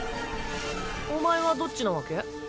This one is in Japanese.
お前はどっちなわけ？